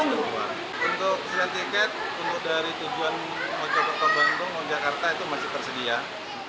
baru tersedia untuk tanggal keberangkatan satu juli mendatang